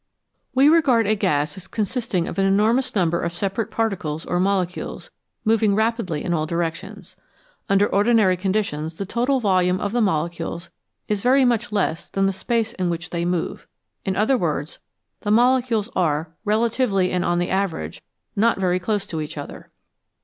We regard a gas as consisting of an enormous number of separate particles or molecules moving rapidly in all directions ; under ordinary conditions the total volume of the molecules is very much less than the space in which they move in other words, the molecules are, relatively and on the average, not very close to each other.